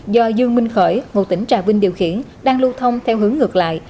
do dương minh khởi ngụ tỉnh trà vinh điều khiển đang lưu thông theo hướng ngược lại